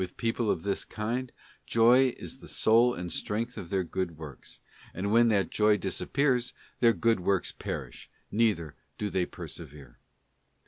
people of this kind, Joy is the soul and strength of their good works; and when that joy disappears their good works perish ; neither do they persevere.